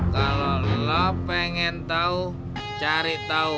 kalau lo pengen tau cari tau